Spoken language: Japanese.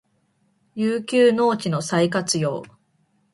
遊休農地の再活用